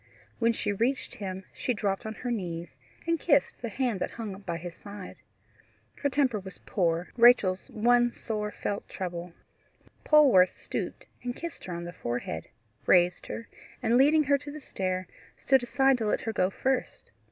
When she reached him, she dropped on her knees, and kissed the hand that hung by his side. Her temper was poor Rachel's one sore felt trouble. Polwarth stooped and kissed her on the forehead, raised her, and leading her to the stair, stood aside to let her go first.